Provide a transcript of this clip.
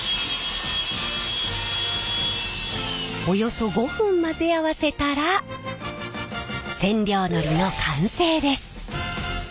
およそ５分混ぜ合わせたら染料のりの完成です。